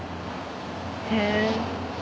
へえ。